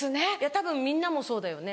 たぶんみんなもそうだよね？